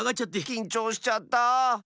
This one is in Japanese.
きんちょうしちゃったあ。